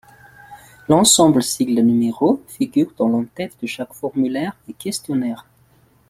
L'ensemble sigle-numéro figure dans l'en-tête de chaque formulaire et questionnaire.